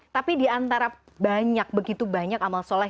tapi diantara banyak begitu banyak amal soleh